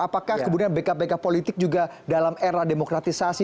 apakah kemudian backup backup politik juga dalam era demokratisasi